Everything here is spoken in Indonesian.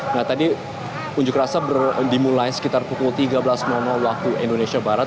nah tadi unjuk rasa dimulai sekitar pukul tiga belas waktu indonesia barat